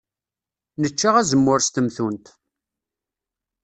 Nečča azemmur s temtunt.